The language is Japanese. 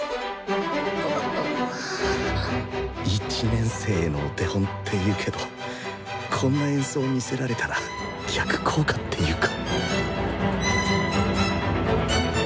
１年生へのお手本って言うけどこんな演奏見せられたら逆効果っていうか。